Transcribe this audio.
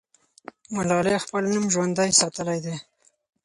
ملالۍ خپل نوم ژوندی ساتلی دی.